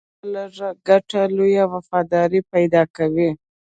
کله ناکله لږ ګټه، لویه وفاداري پیدا کوي.